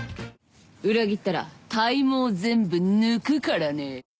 「裏切ったら体毛全部抜くからね」